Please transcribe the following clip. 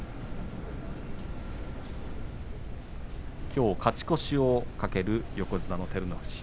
きょう勝ち越しを懸ける横綱の照ノ富士。